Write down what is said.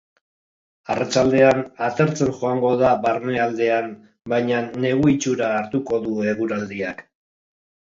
Arratsaldean, atertzen joango da barnealdean, baina negu-itxura hartuko du eguraldiak.